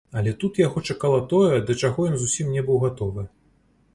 Але тут яго чакала тое, да чаго ён зусім не быў гатовы.